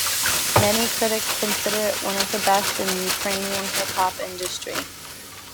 Many critics consider it one of the best in Ukrainian hip-hop industry.